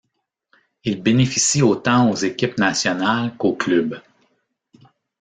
Il bénéficie autant aux équipes nationales qu’aux clubs.